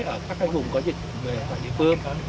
ở các vùng có dịch về địa phương